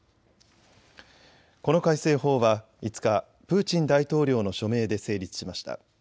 この改正法は５日、プーチン大統領の署名で成立しました。